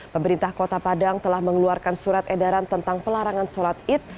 pemerintah kota padang telah mengeluarkan surat edaran tentang pelarangan sholat id